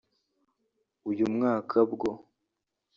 uyu mwaka bwo